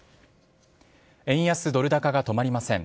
円安ドル高が止まりません。